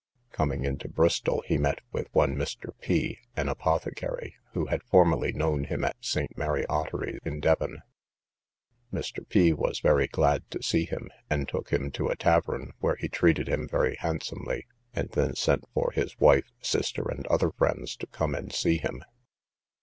Coming into Bristol, he met with one Mr. P , an apothecary, who had formerly known him at St. Mary Ottery, in Devon. Mr. P was very glad to see him, and took him to a tavern, where he treated him very handsomely, and then sent for his wife, sister, and other friends, to come and see him.